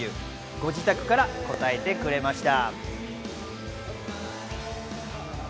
ご自宅から答えてくれました。